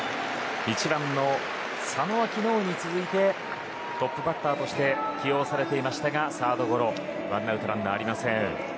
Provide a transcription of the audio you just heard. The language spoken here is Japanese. １番の佐野は昨日に続いてトップバッターとして起用されていましたがサードゴロでワンアウトランナーありません。